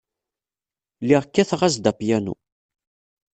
Lliɣ kkateɣ-as-d apyanu.